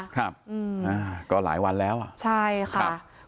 ครับก็หลายวันแล้วอ่ะใช่ค่ะ